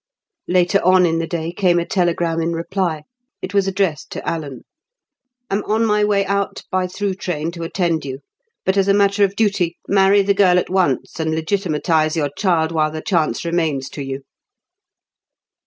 Later on in the day came a telegram in reply; it was addressed to Alan: "Am on my way out by through train to attend you. But as a matter of duty, marry the girl at once, and legitimatise your child while the chance remains to you."